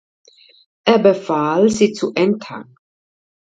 Er befahl, sie zu entern.